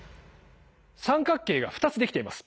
三角形が２つ出来ています。